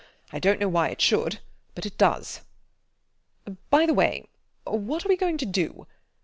I dont know why it should; but it does. By the way, what are we going to do?